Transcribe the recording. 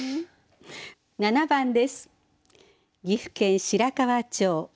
７番です。